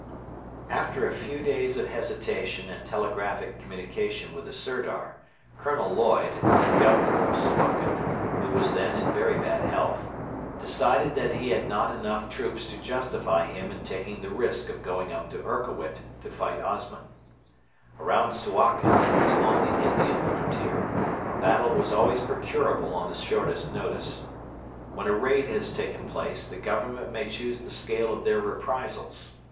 After a few days of hesitation and telegraphic communication with the Sirdar, Colonel Lloyd, the Governor of Suakin, who was then in very bad health, decided that he had not enough troops to justify him in taking the risk of going up to Erkowit to fight Osman. Around Suakin, as along the Indian frontier, a battle was always procurable on the shortest notice. When a raid has taken place, the Government may choose the scale of their reprisals.